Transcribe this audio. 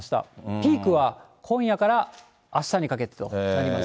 ピークは今夜からあしたにかけてとなります。